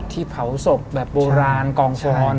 ที่เผาศพแบบโบราณกองฟอร์น